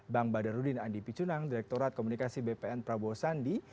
bang badarudin andi picunang direkturat komunikasi bpn prabowo sandi